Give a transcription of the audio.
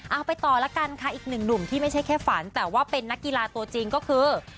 เอาไปต่อแล้วกันค่ะอีกหนึ่งหนุ่มที่ไม่ใช่แค่ฝันแต่ว่าเป็นนักกีฬาตัวจริงก็คือ